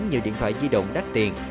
nhiều điện thoại di động đắt tiền